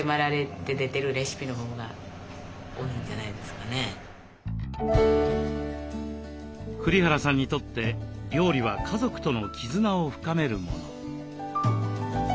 だからそういうことも私も栗原さんにとって料理は家族との絆を深めるもの。